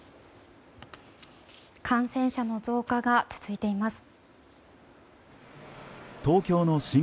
感染者の増加が続いています。